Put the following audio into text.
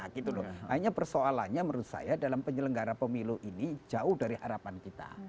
hanya persoalannya menurut saya dalam penyelenggara pemilu ini jauh dari harapan kita